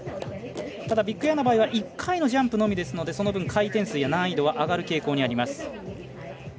ただビッグエアの場合は１回のジャンプのみですのでその分、回転数や難易度は上がる傾向にあります。